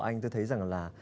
anh tôi thấy rằng là